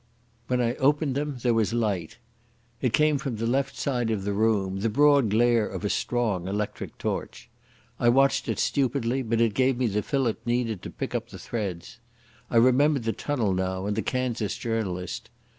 When I opened them there was light. It came from the left side of the room, the broad glare of a strong electric torch. I watched it stupidly, but it gave me the fillip needed to pick up the threads. I remembered the tunnel now and the Kansas journalist.